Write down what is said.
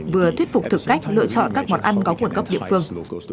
vừa thuyết phục thực cách lựa chọn các món ăn có nguồn gốc địa phương